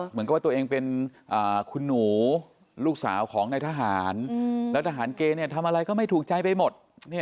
เหมือนกับว่าตัวเองเป็นคุณหนูลูกสาวของนายทหารแล้วทหารเกย์ทำอะไรก็ไม่ถูกใจไปหมด